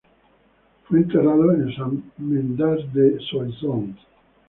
Fue enterrado en San Medardo de Soissons.